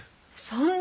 そんな。